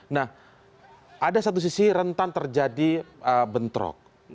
nah ada satu sisi rentan terjadi bentrok